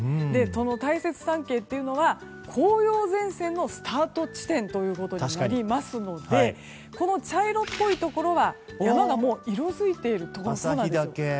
その大雪山系というのは紅葉前線のスタート地点ということになりますのでこの茶色っぽいところは山がもう色づいているところなんですよ。